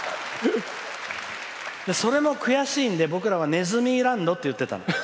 それ、悔しいので僕らはネズミーランドって言ってたの。